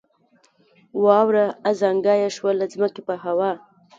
واوره ازانګه یې شوه له ځمکې په هوا